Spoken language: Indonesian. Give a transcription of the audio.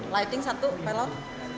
lighting satu pelan